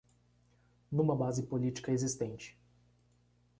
Numa base política existente